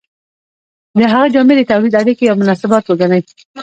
د هغه جامې د تولید اړیکې یا مناسبات وګڼئ.